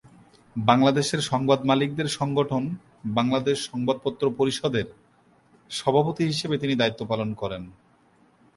বাংলাদেশ এর সংবাদ মালিক দের সংগঠন বাংলাদেশ সংবাদপত্র পরিষদ এর সভাপতি হিসেবে তিনি দায়ীত্ব পালন করেন।